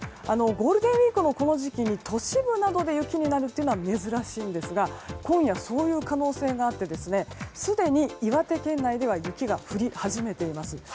ゴールデンウィークのこの時期に都市部などで雪になるというのは珍しいんですが今夜、そういう可能性があってすでに岩手県内では雪が降り始めています。